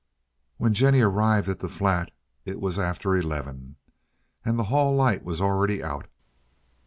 When Jennie arrived at the flat it was after eleven, and the hall light was already out.